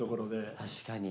確かに。